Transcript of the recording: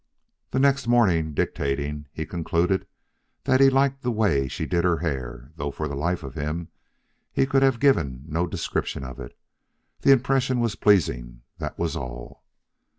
The next morning, dictating, he concluded that he liked the way she did her hair, though for the life of him he could have given no description of it. The impression was pleasing, that was all.